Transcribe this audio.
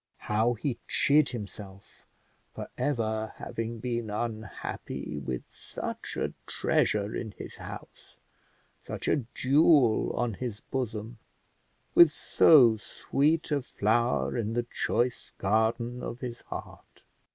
How he chid himself for ever having been unhappy with such a treasure in his house, such a jewel on his bosom, with so sweet a flower in the choice garden of his heart!